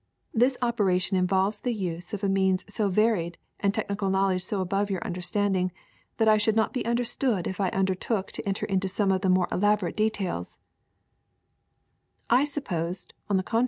This operation involves the use of means so varied and technical knowledge so above your understanding that I should not be understood if I undertook to enter into some of the more elaborate details/' I supposed, on the contr..